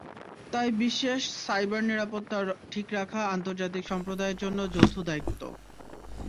তাই বিশ্বের সাইবার নিরাপত্তা ঠিক রাখা আন্তর্জাতিক সম্প্রদায়ের জন্য যৌথ দায়িত্ব।